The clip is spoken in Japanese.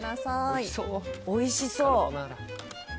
おいしそう。